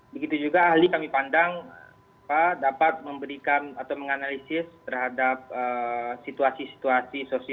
begitu juga ahli kami pandang dapat memberikan atau menganalisis terhadap situasi situasi sosial